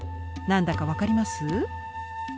何だか分かりますか。